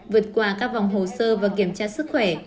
vượt qua các vòng hồ sơ và kiểm tra sức khỏe